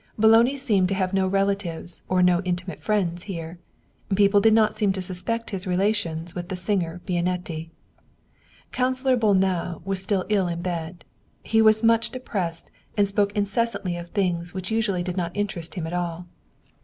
Boloni seemed to have no relatives or no intimate friends here. People did not seem to suspect his relations with the singer Bianetti. Councilor Bolnau was still ill in bed. He was much de pressed, and spoke incessantly of things which usually did 100 Wilhelm Hauff not interest him at all.